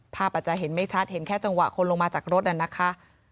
อาจจะเห็นไม่ชัดเห็นแค่จังหวะคนลงมาจากรถน่ะนะคะ